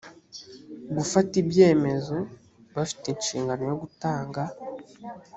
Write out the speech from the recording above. gufata ibyemezo bafite inshingano yo gutanga